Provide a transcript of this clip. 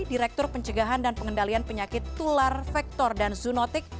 direktur pencegahan dan pengendalian penyakit tular vektor dan zoonotik